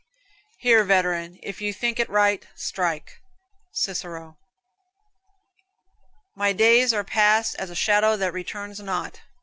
"Here, veteran, if you think it right, strike." Cicero. "My days are past as a shadow that returns not."